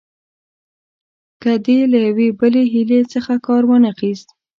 که دې له یوې بلې حیلې څخه کار وانه خیست.